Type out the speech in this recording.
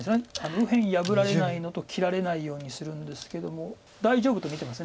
右辺破られないのと切られないようにするんですけども大丈夫と見てます。